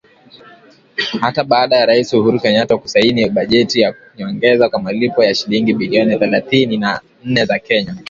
Hata baada ya Rais Uhuru Kenyatta kusaini bajeti ya nyongeza kwa malipo ya shilingi bilioni thelathini na nne za Kenya.